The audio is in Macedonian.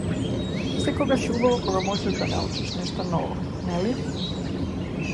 Секогаш е убаво ако можеш да научиш нешто ново, нели?